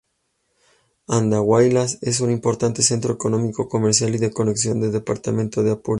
Andahuaylas es un importante centro económico, comercial y de conexión del departamento de Apurímac.